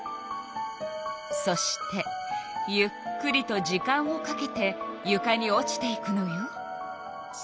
そしてゆっくりと時間をかけてゆかに落ちていくのよ。